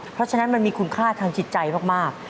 เพราะฉะนั้นมันมีคุณค่าทางจิตใจมาก